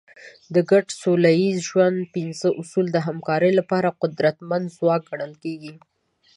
د ګډ سوله ییز ژوند پنځه اصول د همکارۍ لپاره قدرتمند ځواک ګڼل کېږي.